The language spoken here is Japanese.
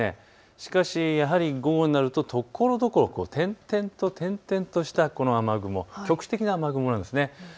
しかし午後になるとところどころ点々とした雨雲、局地的な雨雲なんです。